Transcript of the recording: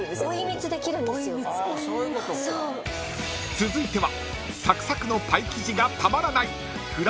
［続いては］